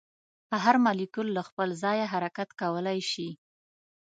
هر مالیکول له خپل ځایه حرکت کولی شي.